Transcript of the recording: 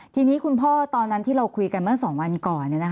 ทีนี้คุณพ่อตอนนั้นที่เราคุยกันเมื่อ๒วันก่อน